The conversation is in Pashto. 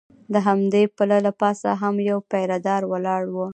د همدې پله له پاسه هم یو پیره دار ولاړ و.